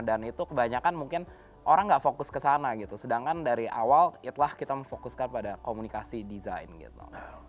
dan itu kebanyakan mungkin orang nggak fokus ke sana gitu sedangkan dari awal itulah kita memfokuskan pada komunikasi design gitu